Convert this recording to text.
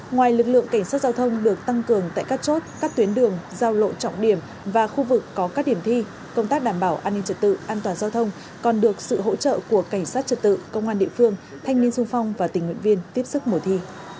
ngoài lực lượng cảnh sát giao thông được tăng cường tại các chốt các tuyến đường giao lộ trọng điểm và khu vực có các điểm thi công tác đảm bảo an ninh trật tự an toàn giao thông còn được sự hỗ trợ của cảnh sát trật tự công an địa phương thanh niên sung phong và tình nguyện viên tiếp sức mùa thi